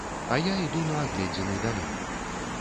А я іду на агледзіны далей.